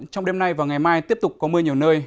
trong đêm nay và ngày mai tiếp tục có mưa nhiều nơi